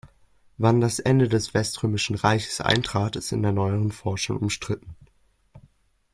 Wann das Ende des Weströmischen Reiches eintrat, ist in der neueren Forschung umstritten.